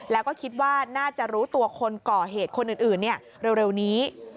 แล้วก็คิดว่าน่าจะรู้ตัวคนก่อเหตุคนอื่นเร็วนี้